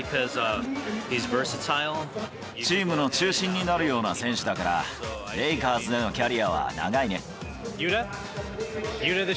チームの中心になるような選手だから、レイカーズでのキャリアは長いね。